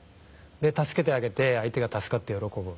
助けてあげて相手が助かって喜ぶ。